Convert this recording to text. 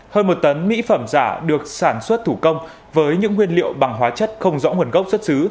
hơn một tấn mỹ phẩm giả được sản xuất thủ công với những nguyên liệu bằng hóa chất không rõ nguồn gốc xuất xứ